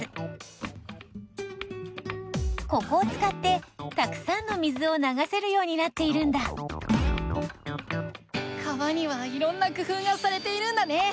ここをつかってたくさんの水をながせるようになっているんだ川にはいろんな工夫がされているんだね。